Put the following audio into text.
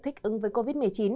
thích ứng với covid một mươi chín